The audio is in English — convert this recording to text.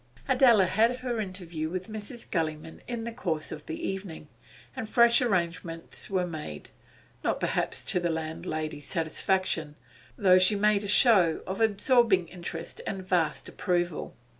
Adela had her interview with Mrs. Gulliman in the course of the evening, and fresh arrangements were made, not perhaps to the landlady's satisfaction, though she made a show of absorbing interest and vast approval.